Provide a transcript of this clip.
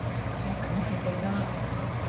我梗係記得